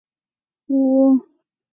祖父李毅。